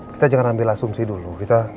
kita jangan ambil asumsi dulu